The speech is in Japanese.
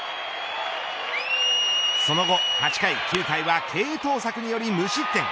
その後、８回９回は継投策により無失点。